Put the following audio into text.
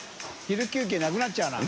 昼休憩なくなっちゃうな。